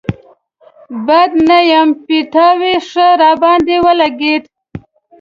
بد نه يم، پيتاوی ښه راباندې ولګېد.